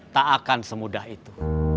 tak akan semudah itu